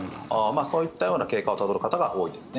そういったような経過をたどる方が多いですね。